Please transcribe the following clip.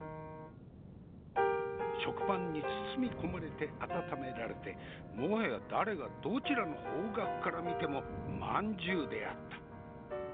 食パンに包み込まれて温められてもはや誰がどちらの方角から見てもまんじゅうであった。